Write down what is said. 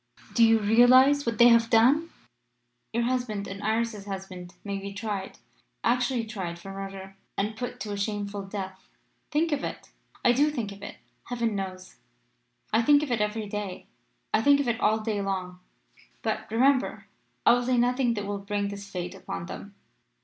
Do you realise what they have done? Your husband and Iris's husband may be tried actually tried for murder and put to a shameful death. Think of it!' "'I do think of it, Heaven knows! I think of it every day I think of it all day long. But, remember, I will say nothing that will bring this fate upon them.